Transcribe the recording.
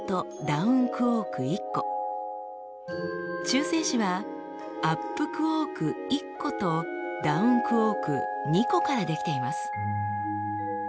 中性子はアップクォーク１個とダウンクォーク２個から出来ています。